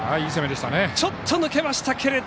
ちょっと抜けましたが。